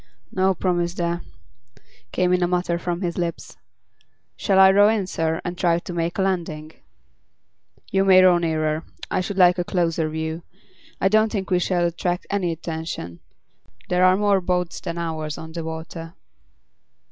"No promise there," came in a mutter from his lips. "Shall I row in, sir, and try to make a landing?" "You may row nearer. I should like a closer view. I don't think we shall attract any attention. There are more boats than ours on the water."